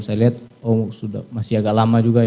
saya lihat oh sudah masih agak lama juga ya